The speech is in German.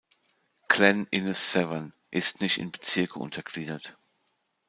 Glen Innes Severn ist nicht in Bezirke untergliedert.